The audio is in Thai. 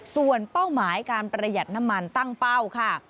ส่วนเป้าหมายการประหยัดน้ำมันตั้งเป้าค่ะ